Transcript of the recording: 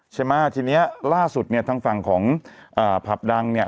ทีนี้ล่าสุดทางฝั่งของผับดังเนี่ย